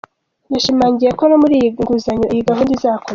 Yashimangiye ko no muri iyi nguzanyo iyi gahunda izakomeza.